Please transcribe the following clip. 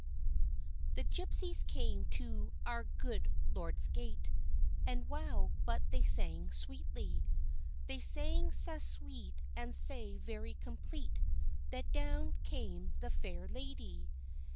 THE gypsies came to our good lord's gate And wow but they sang sweetly! They sang sae sweet and sae very complete That down came the fair lady.